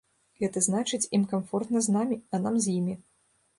Гэта значыць, ім камфортна з намі, а нам з імі.